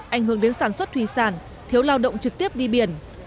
ảnh hưởng đến sản xuất thủy sản thiếu lao động trực tiếp đi biển